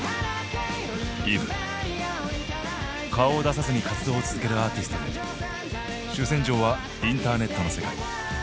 顔を出さずに活動を続けるアーティストで主戦場はインターネットの世界。